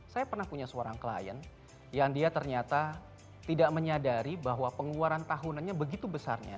saya pernah punya seorang klien yang dia ternyata tidak menyadari bahwa pengeluaran tahunannya begitu besarnya